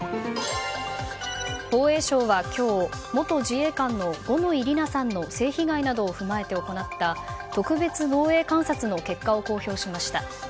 防衛省は今日元自衛官の五ノ井里奈さんの性被害などを踏まえて行った特別防衛監察の結果を公表しました。